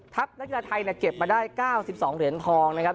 นักกีฬาไทยเก็บมาได้๙๒เหรียญทองนะครับ